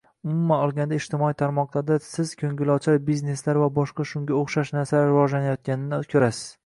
Umuman olganda, ijtimoiy tarmoqlarda siz koʻngilochar bizneslar va boshqa shunga oʻxshash narsalar rivojlanayotganini koʻrasiz.